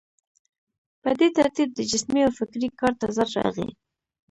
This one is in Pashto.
په دې ترتیب د جسمي او فکري کار تضاد راغی.